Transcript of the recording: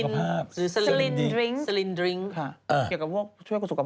เกี่ยวกับพวกเชื่อสู่สุขภาพ